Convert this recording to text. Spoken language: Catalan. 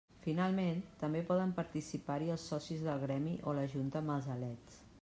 Finalment, també poden participar-hi els socis del gremi o la junta amb els elets.